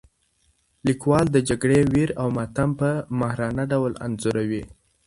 لیکوال د جګړې ویر او ماتم په ماهرانه ډول انځوروي.